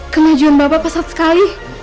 kena jomba bapak pesat sekali